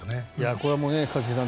これも一茂さん